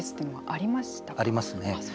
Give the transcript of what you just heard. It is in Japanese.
ありますね。